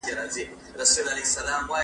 ایا د آزادۍ دا لمر به تل ځلیږي؟